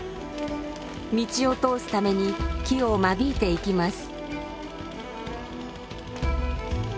道を通すために木を間引いていきます。